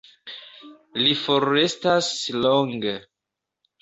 Li forrestas longe.